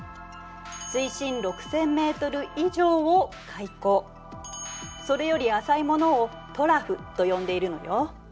水深６０００ｍ以上を海溝それより浅いものをトラフと呼んでいるのよ。